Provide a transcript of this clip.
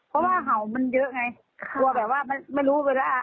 เพราะว่าเห่ามันเยอะไงกลัวแบบว่ามันไม่รู้เวลา